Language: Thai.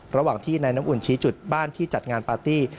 ระหว่างที่นายน้ำอุ่นชี้จุดบ้านที่จัดงานปาร์ตี้